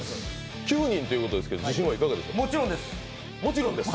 ９人ということですけど自信はいかがですか？